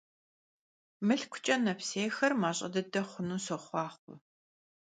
Mılhkuç'e nepsêyxer maş'e dıde xhunu soxhuaxhue!